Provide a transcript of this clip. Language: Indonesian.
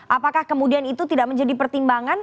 apakah kemudian itu tidak menjadi pertimbangan